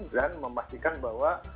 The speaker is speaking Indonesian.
dan memastikan bahwa